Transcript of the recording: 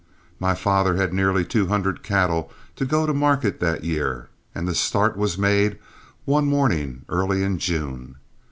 My father had nearly two hundred cattle to go to market that year, and the start was made one morning early in June.